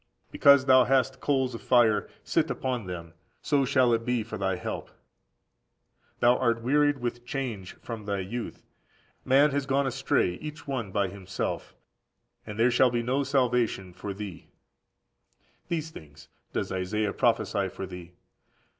Because thou hast coals of fire, sit upon them; so shall it be for thy help. Thou art wearied with change from thy youth. Man has gone astray (each one) by himself; and there shall be no salvation for thee."14721472 Isa. xlvii. 1–15. These things does Isaiah prophesy for thee.